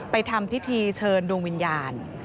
ทำพิธีเชิญดวงวิญญาณ